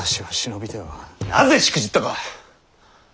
なぜしくじったか！